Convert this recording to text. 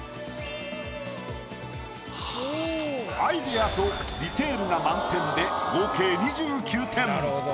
アイデアとディテールが満点で合計２９点。